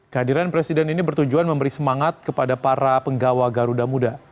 kehadiran presiden ini bertujuan memberi semangat kepada para penggawa garuda muda